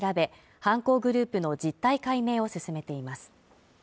犯行グループの実態解明を進めています